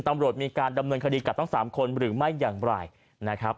ตำรวจมีการดำเนินคดีกับทั้งสามคนหรือไม่อย่างไรนะครับ